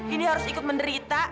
indi harus ikut menderita